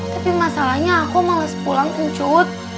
tapi masalahnya aku males pulang tuh cuut